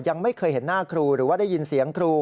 ยังไม่เคยเห็นหน้าครูหรือว่าได้ยินเสียงครู